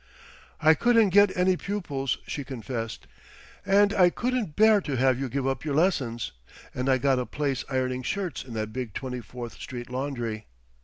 "I couldn't get any pupils," she confessed. "And I couldn't bear to have you give up your lessons; and I got a place ironing shirts in that big Twenty fourth street laundry.